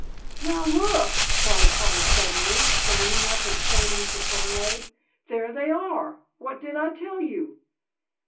"Now look!" cried Paul suddenly, standing up and pointing to Fernlode. "There they are! What did I tell you!"